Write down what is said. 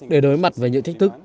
để đối mặt với những thách thức